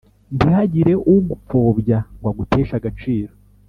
ntihagire ugupfobya ngwaguteshe agaciro